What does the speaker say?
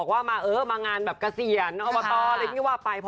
เอาให้หนูมาทำอะไร